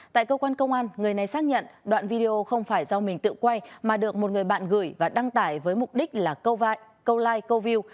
tại cơ quan công an người này xác nhận đoạn video không phải do mình tự quay mà được một người bạn gửi và đăng tải với mục đích là câu like câu view